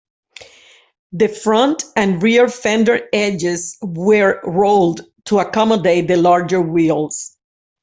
The front and rear fender edges were rolled to accommodate the larger wheels.